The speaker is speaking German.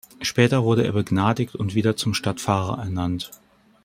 Später wurde er begnadigt und wieder zum Stadtpfarrer ernannt.